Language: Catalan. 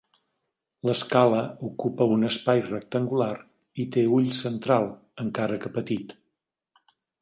L'escala ocupa un espai rectangular i té ull central, encara que petit.